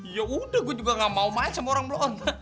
yaudah gua juga gak mau main sama orang blon